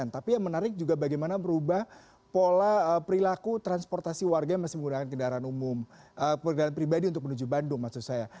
tapi yang menarik juga bagaimana merubah pola perilaku transportasi warga yang masih menggunakan kendaraan umum kendaraan pribadi untuk menuju bandung maksud saya